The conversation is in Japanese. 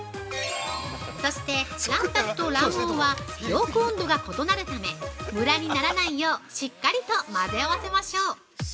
◆そして卵白と卵黄は、凝固温度が異なるため、ムラにならないよう、しっかりと混ぜ合わせましょう！